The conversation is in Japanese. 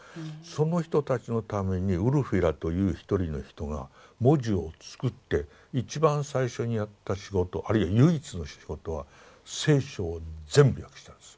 その人たちのためにウルフィラという一人の人が文字を作って一番最初にやった仕事あるいは唯一の仕事は聖書を全部訳したんです。